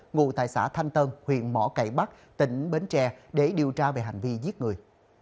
ngụ tại xã thanh tân huyện mỏ cải bắc tỉnh bến tre để điều tra về hành vi giết người